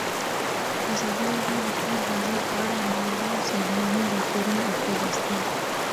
ازادي راډیو د د کار بازار په اړه د نړیوالو سازمانونو راپورونه اقتباس کړي.